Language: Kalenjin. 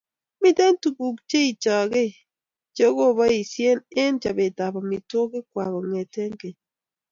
Mitei tuguuk cheichegei chekoboisye eng chobeetab amitwogiik kwai kong'ete keny.